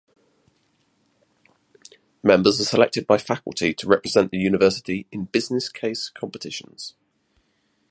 Members are selected by faculty to represent the university in business case competitions.